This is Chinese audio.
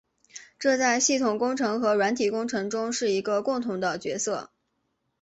这在系统工程和软体工程中是一个共同的角色。